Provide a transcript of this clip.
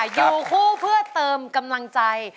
อยู่คู่เพื่อเติมกำลังใจ